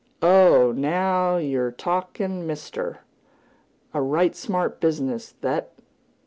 "Oh! now yew're talk'n', mister! A right smart business, thet!